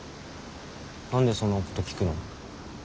何でそんなこと聞くの？